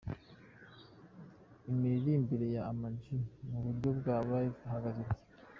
Imiririmbire ya Ama G mu buryo bwa Live ihagaze ite ?.